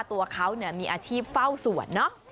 ตัวเขามีอาชีพเฝ้าสวนเนอะ